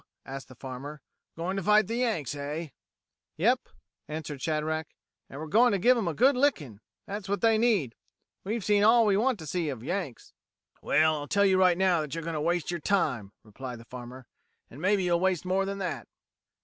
asked the farmer. "Goin' to fight the Yanks, eh?" "Yep," answered Shadrack, "an' we're goin' to give 'em a good licking! That's what they need! We've seen all we want to see of Yanks." "Well, I'll tell you right now that you're going to waste yer time," replied the farmer. "An' maybe you'll waste more than that."